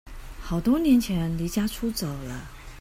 好多年前離家出走了